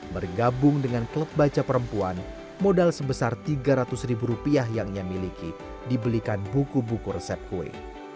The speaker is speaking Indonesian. bergabung dengan klub baca perempuan modal sebesar tiga ratus ribu rupiah yang ia miliki dibelikan buku buku resep kue